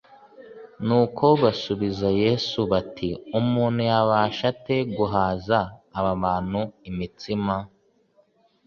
Nuko basubiza Yesu bati: «Umuntu yabasha ate guhaza aba bantu imitsima,